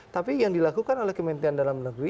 tapi yang dilakukan oleh kementerian dalam negeri